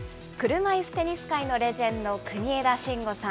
車いすテニス界のレジェンド、国枝慎吾さん。